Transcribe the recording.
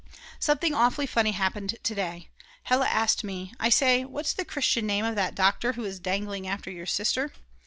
Something awfully funny happened to day. Hella asked me: "I say, what's the Christian name of that Dr. who is dangling after your sister?"